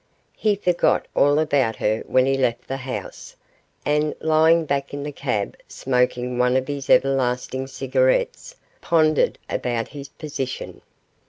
He forgot all about her when he left the house, and, lying back in the cab smoking one of his everlasting cigarettes, pondered about his position.